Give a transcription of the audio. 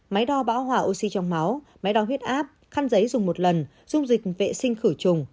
máy đo bão hỏa oxy trong máu máy đo huyết áp khăn giấy dùng một lần dung dịch vệ sinh khử trùng